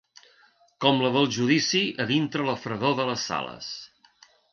Com la del judici a dintre la fredor de les sales